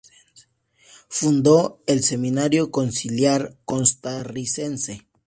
Fundó el Seminario Conciliar costarricense.